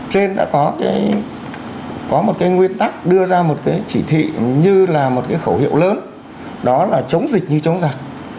trên đã có một cái nguyên tắc đưa ra một cái chỉ thị như là một cái khẩu hiệu lớn đó là chống dịch như chống giặc